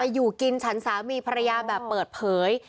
อยู่กินฉันสามีภรรยาแบบเปิดเผย